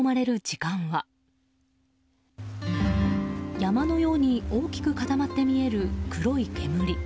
山のように大きく固まって見える黒い煙。